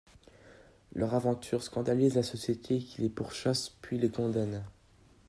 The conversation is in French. Leur aventure scandalise la société qui les pourchasse puis les condamne.